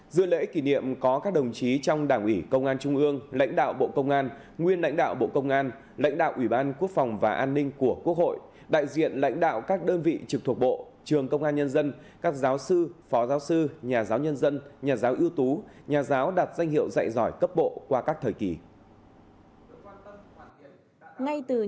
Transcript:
dưới lễ kỷ niệm có các đồng chí trong đảng ủy công an trung ương lãnh đạo bộ công an nguyên lãnh đạo bộ công an lãnh đạo ủy ban quốc phòng và an ninh của quốc hội đại diện lãnh đạo các đơn vị trực thuộc bộ trường công an nhân dân các giáo sư phó giáo sư nhà giáo nhân dân nhà giáo ưu tú nhà giáo đặt danh hiệu dạy giỏi cấp bộ qua các thời kỳ